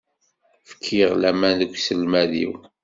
Fkiɣ laman deg uselmad-iw.